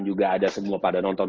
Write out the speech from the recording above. juga ada semua pada nonton